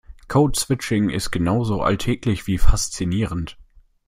Code Switching ist genauso alltäglich wie faszinierend.